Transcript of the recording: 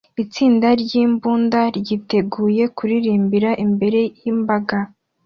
Itsinda ryimbunda ryiteguye kuririmbira imbere yimbaga